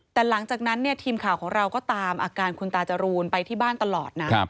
แต่หลังจากนั้นทีมข่าวของเราก็ตามอาการคุณตาจรูนไปที่บ้านตลอดนะ